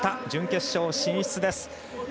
準決勝進出です。